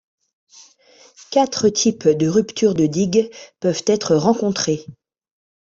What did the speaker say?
Quatre types de ruptures de digues peuvent être rencontrés.